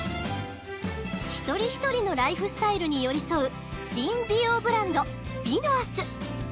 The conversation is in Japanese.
一人一人のライフスタイルに寄り添う新美容ブランドＶＩＮＯＡＳ